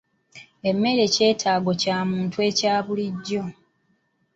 Emmere kyetaago ky'omuntu ekya bulijjo.